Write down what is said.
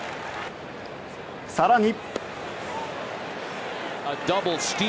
更に。